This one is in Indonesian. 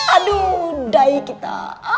aduh daya kita